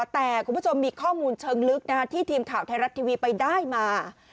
แต่คุณผู้ชมมีข้อมูลเชิงลึกที่ทีมข่าวไทยรัฐทีวีไปได้มา